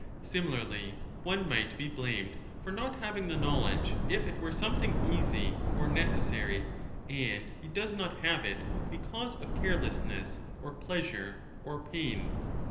Similarly, one might be blamed for not having the know ledge, if it were something easy or necessary and he does not have it because of carelessness or pleasure or pain.